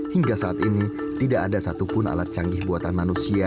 hingga saat ini tidak ada satupun alat canggih buatan manusia